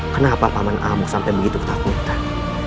kenapa paman amo sampai begitu ketakutan